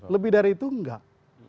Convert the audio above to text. lebih dari itu enggak